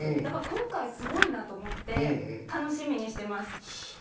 今回すごいなと思って楽しみにしています。